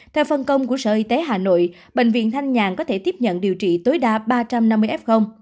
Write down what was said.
theo phân công của sở y tế hà nội bệnh viện thanh nhàn có thể tiếp nhận điều trị tối đa ba trăm năm mươi f